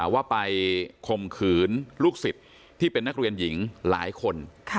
ว่าไปข่มขืนลูกศิษย์ที่เป็นนักเรียนหญิงหลายคน